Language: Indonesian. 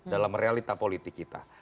dalam realita politik kita